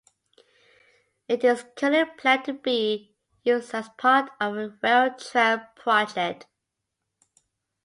It is currently planned to be used as part of a rail trail project.